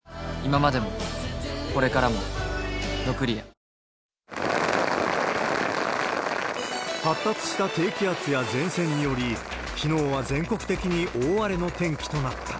きのう、発達した低気圧や前線により、きのうは全国的に大荒れの天気となった。